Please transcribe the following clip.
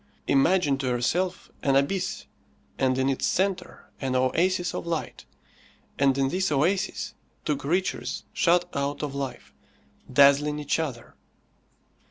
Imagine to yourself an abyss, and in its centre an oasis of light, and in this oasis two creatures shut out of life, dazzling each other.